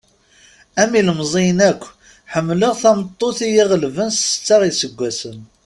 Am ilmeẓyen akk, ḥemmleɣ tameṭṭut i yi-ɣelben s setta iseggasen.